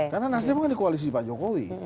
karena nasdem kan di koalisi pak jokowi